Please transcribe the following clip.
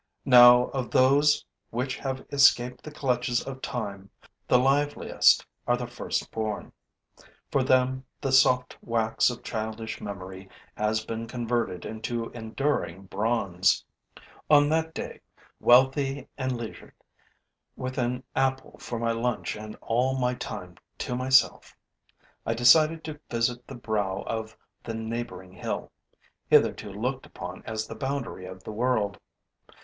Now of those which have escaped the clutches of time the liveliest are the first born. For them the soft wax of childish memory has been converted into enduring bronze. On that day, wealthy and leisured, with an apple for my lunch and all my time to myself, I decided to visit the brow of the neighboring hill, hitherto looked upon as the boundary of the world.